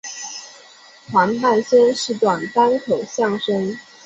黄半仙是一段单口相声。